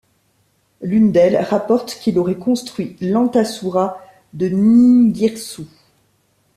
L'une d'elles rapporte qu'il aurait construit l'Antasura de Ningirsu.